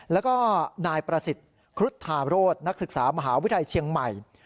แล้วก็นายประสิทธิ์ครุฑธาโรธนักศึกษามหาวิทยาลัยเชียงใหม่